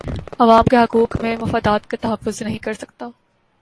عوام کے حقوق اور مفادات کا تحفظ نہیں کر سکتا